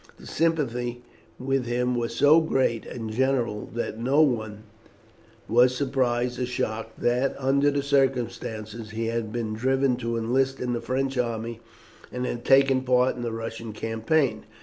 The sympathy with him was so great and general that no one was surprised or shocked that, under the circumstances, he had been driven to enlist in the French army, and had taken part in the Russian campaign.